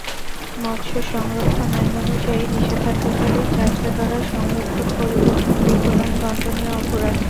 মত্স্য সংরক্ষণ আইন অনুযায়ী, নিষেধাজ্ঞাকালীন জাটকা ধরা, সংরক্ষণ, পরিবহন, বিপণন দণ্ডনীয় অপরাধ।